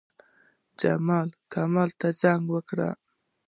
جمال، کمال ته زنګ وکړ.